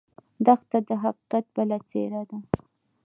دښته د حقیقت بله څېره ده.